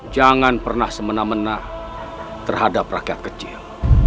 jangan pernah semena mena terhadap rakyat kecil